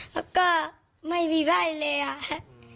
แล้วก็ไม่มีใบ้เลยค่ะ